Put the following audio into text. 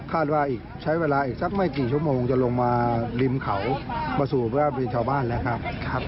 ว่าอีกใช้เวลาอีกสักไม่กี่ชั่วโมงจะลงมาริมเขามาสู่แวบบินชาวบ้านแล้วครับ